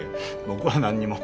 僕は何にも。